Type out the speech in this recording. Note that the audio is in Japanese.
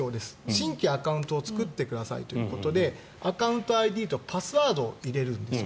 新規アカウントを作ってくださいということでアカウントＩＤとパスワードを入れるんですよ。